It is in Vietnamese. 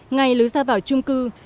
ngay lứa ra vào trung quốc